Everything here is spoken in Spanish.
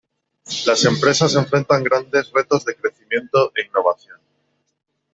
Las empresas enfrentan grandes retos de crecimiento e innovación.